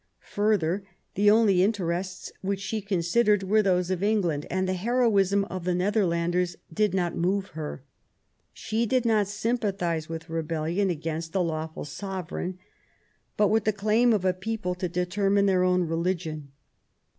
Further, the only interests which she considered were those of England, and the heroism of the Netherlanders did not move her. She did not sympathise with rebellion against a lawful sovereign, but with the claim of a people to determine their own religion.